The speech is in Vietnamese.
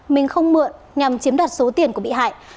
mình không mượn nhằm chiếm đoạt số tiền của bị hại